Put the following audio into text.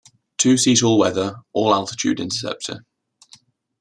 Two-seat all weather, all altitude interceptor.